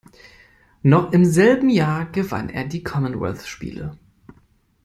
Noch im selben Jahr gewann er die Commonwealth-Spiele.